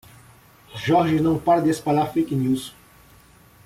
Jorge não para de espalhar fake news